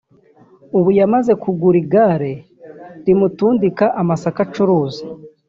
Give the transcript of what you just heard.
ubu yamaze kugura igare rimutundika amasaka acuruza